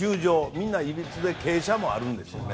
みんな、いびつで傾斜もあるんですね。